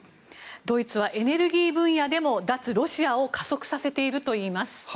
ドイツはエネルギー分野でも脱ロシアを加速させているとさせています。